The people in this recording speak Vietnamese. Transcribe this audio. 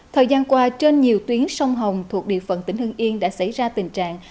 thời gian qua trên nhiều tuyến sông hồng thuộc địa phận tỉnh hưng yên đã xảy ra tình trạng